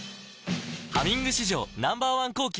「ハミング」史上Ｎｏ．１抗菌